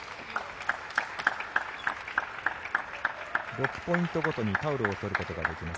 ６ポイントごとにタオルを取ることができます。